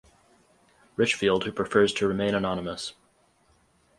Richfield who prefers to remain anonymous.